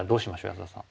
安田さん。